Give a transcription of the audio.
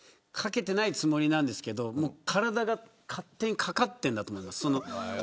していないつもりなんですけど体が勝手にかかっているんだと思います。